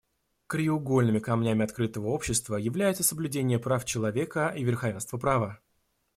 Краеугольными камнями открытого общества являются соблюдение прав человека и верховенство права.